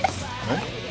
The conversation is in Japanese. えっ？